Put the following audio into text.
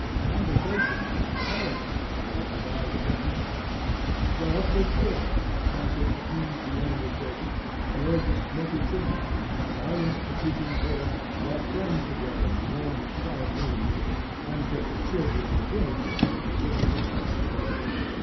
Conversation, character, were the avowed ends; wealth was good as it appeased the animal cravings, cured the smoky chimney, silenced the creaking door, brought friends together in a warm and quiet room, and kept the children and the dinner table in a different apartment.